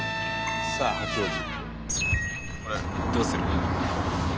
さあ八王子。